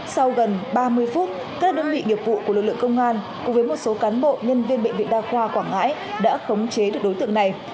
sau gần ba mươi phút các đơn vị nghiệp vụ của lực lượng công an cùng với một số cán bộ nhân viên bệnh viện đa khoa quảng ngãi đã khống chế được đối tượng này